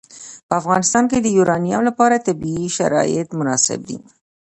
په افغانستان کې د یورانیم لپاره طبیعي شرایط مناسب دي.